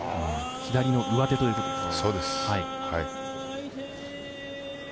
左の上手ということですね。